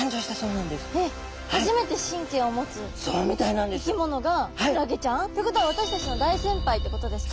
えっ初めて神経を持つ生き物がクラゲちゃん。ってことは私たちの大先輩ってことですか？